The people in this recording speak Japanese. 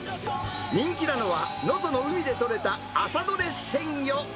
人気なのは、能登の海で取れた朝どれ鮮魚。